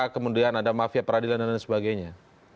kemudian ada mafia peradilan dan lain sebagainya